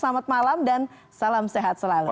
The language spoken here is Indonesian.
selamat malam dan salam sehat selalu